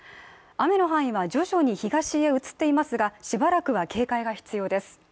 雨の範囲は徐々に東に移っていますがしばらくは警戒が必要です。